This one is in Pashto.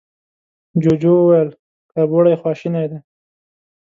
جوجو وويل، کربوړی خواشينی دی.